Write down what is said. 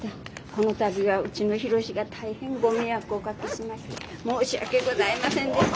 この度はうちのヒロシが大変ご迷惑をおかけしまして申し訳ございませんでした。